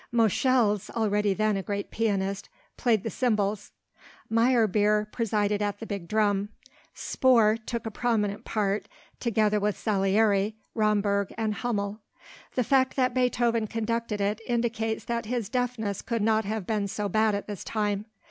Moscheles, already then a great pianist, played the cymbals. Meyerbeer presided at the big drum. Spohr took a prominent part, together with Salieri, Romberg and Hümmel. The fact that Beethoven conducted it indicates that his deafness could not have been so bad at this time.